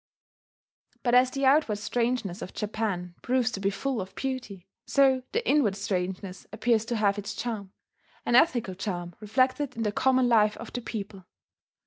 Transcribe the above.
But as the outward strangeness of Japan proves to be full of beauty, so the inward strangeness appears to have its charm, an ethical charm reflected in the common life of the people.